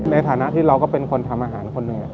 ในฐานะที่เราก็เป็นคนทำอาหารคนหนึ่ง